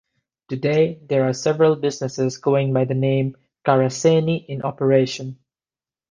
Today, there are several businesses going by the name "Caraceni" in operation.